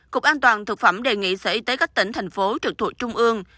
cục an toàn thực phẩm đề nghị sở y tế các tỉnh thành phố trực thuộc trung ương